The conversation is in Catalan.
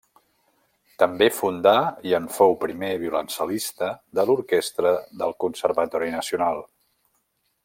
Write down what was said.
També fundà i en fou primer violoncel·lista de l'Orquestra del Conservatori Nacional.